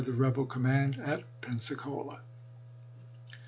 the rebel command at Pensacola.